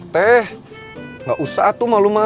neng giolis kamu mau makan